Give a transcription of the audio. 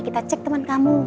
kita cek teman kamu